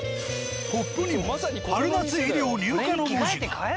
ポップにも「春夏衣料入荷」の文字が。